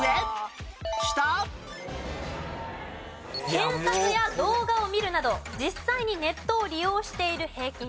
検索や動画を見るなど実際にネットを利用している平均時間です。